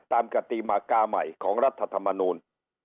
ตามกติมากราคาใหม่ของรัฐธรรมนุน